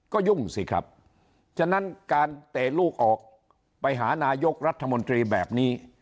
ก็ยุ่งสิครับฉะนั้นการเตะลูกออกไปหานายกรัฐมนตรีแบบนี้